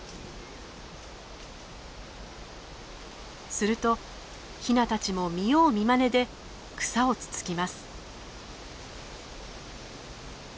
するとヒナたちも見よう見まねで草をつつきます。